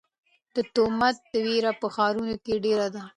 د تومت وېره په ښارونو کې ډېره ده.